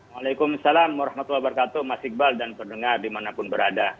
waalaikumsalam warahmatullahi wabarakatuh mas iqbal dan pendengar dimanapun berada